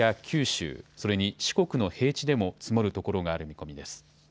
このほか東海や九州、それに四国の平地でも積もるところがある見込みです。